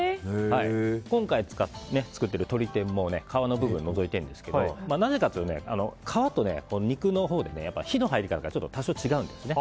今回作ってる鶏天も皮の部分を除いているんですけどなぜかというと、皮と肉のほうで火の入り方が多少違うんですね。